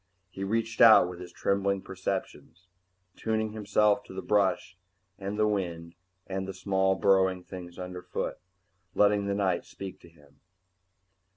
He reached out with his trembling perceptions, tuning himself to the brush and the wind and the small burrowing things underfoot, letting the night speak to him.